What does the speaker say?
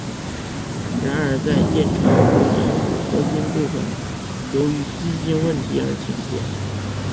然而在建成混凝土核心部分后由于资金问题而停建。